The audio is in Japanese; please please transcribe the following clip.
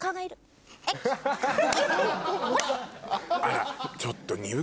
あらちょっと。